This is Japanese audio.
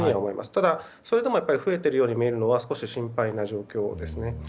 ただ、それでも増えているように見えるのは少し心配な状況です。